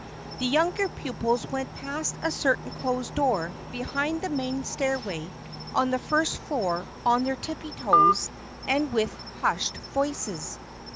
The younger pupils went past a certain closed door behind the main stairway on the first floor on their tiptoes and with hushed voices.